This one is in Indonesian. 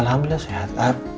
kehamilannya sehat lah